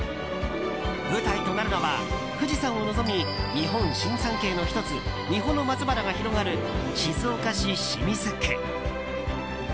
舞台となるのは富士山を望み日本新三景の１つ三保松原が広がる静岡市清水区。